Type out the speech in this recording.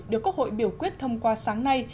được quốc hội biểu quyết thông qua sáng nay